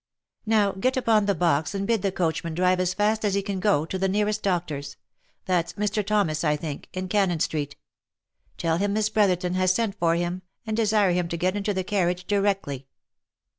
" Now get upon the box and bid the coachman drive as fast as he can go, to the nearest doctor's — that's Mr. Thomas, I think, in Cannon street. — Tell him Miss Brotherton has sent for him, and desire him to get into the carriage directly."